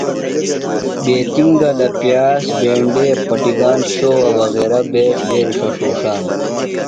بیتِنگلہ، پِیاز بینڈے پٹِگان شوؤہ وغیرہ بےۡ بیرݜہ ݜوݜانہ۔